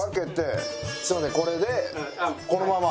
これでこのまま？